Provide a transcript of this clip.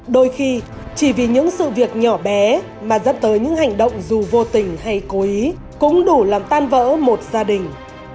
đôi khi chỉ vì những sự việc nhỏ bé mà dẫn tới những hành động dù vô tình hay cố ý cũng đủ làm tan vỡ một gia đình